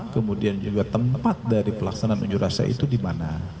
kemudian juga tempat dari pelaksanaan unjuk rasa itu dimana